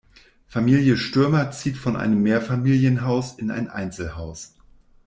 Familie Stürmer zieht von einem Mehrfamilienhaus in ein Einzelhaus.